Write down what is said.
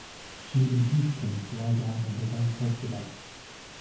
She induced him to lie down on his own sofa bed.